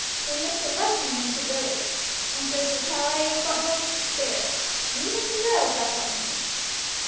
They makes it rough for me in t' village, and says as how I ain't got no spirit, and even t' girls laughs at me."